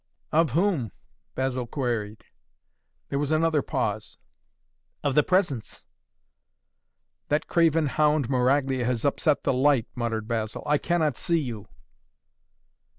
"Of whom?" Basil queried. There was another pause. "Of the Presence!" "That craven hound Maraglia has upset the light," muttered Basil. "I cannot see you."